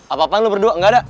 apa apain lo berdua gak ada